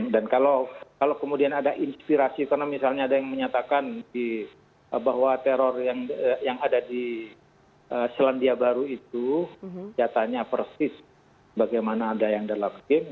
dan kalau kemudian ada inspirasi karena misalnya ada yang menyatakan bahwa teror yang ada di selandia baru itu senjatanya persis bagaimana ada yang dalam game